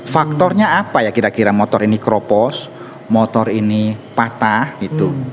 faktornya apa ya kira kira motor ini keropos motor ini patah gitu